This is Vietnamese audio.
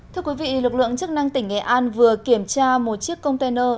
thưa quý vị lực lượng chức năng tỉnh nghệ an vừa kiểm tra một chiếc container